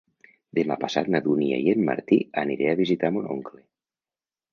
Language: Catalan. Demà passat na Dúnia i en Martí aniré a visitar mon oncle.